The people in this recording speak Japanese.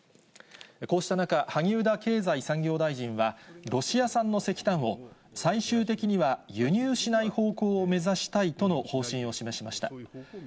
こうした中、萩生田経済産業大臣は、ロシア産の石炭を、最終的には輸入しない方向を目指したいとの方針を示しました。